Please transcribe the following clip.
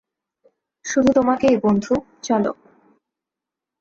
শুধু তোমাকই, বন্ধু, চলো।